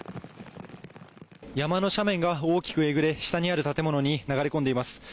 山の斜面が大きくえぐれ下にある建物に流れ込んでいます。